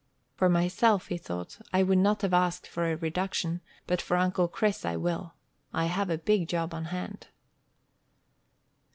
"For myself," he thought, "I would not have asked for a reduction, but for Uncle Chris I will. I have a big job on hand."